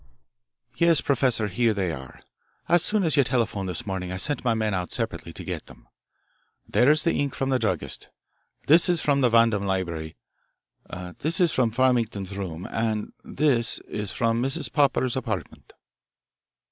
"Yes, Professor. Here they are. As soon as you telephoned this morning I sent my men out separately to get them. There's the ink from the druggist, this is from the Vandam library, this is from Farrington's room, and this is from Mrs. Popper's apartment."